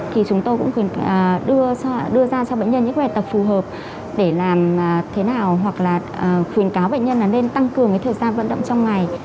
thì chúng tôi cũng cần đưa ra cho bệnh nhân những bài tập phù hợp để làm thế nào hoặc là khuyến cáo bệnh nhân là nên tăng cường thời gian vận động trong ngày